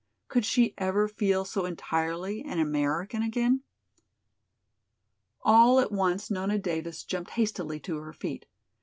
Could she ever feel so entirely an American again? All at once Nona Davis jumped hastily to her feet.